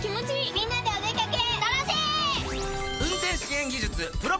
みんなでお出掛け。